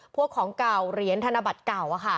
พวกของเก่าเหรียญธนบัตรเก่า